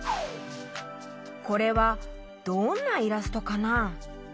これはどんなイラストかな？